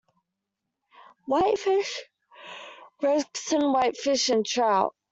Whitefish, Gregson, whitefish and trout.